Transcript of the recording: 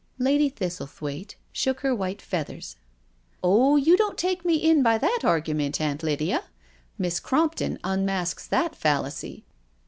'*• Lady Thistlethwaite shook her white feathers. " Oh, you don't take me in by that argument. Aunt Lydia. Miss Crompton unmasks that fallacy.